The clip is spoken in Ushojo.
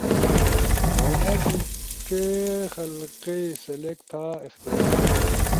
ہونا دی ڇے حلقہ ئی سلیکٹ تھا[اختیاری]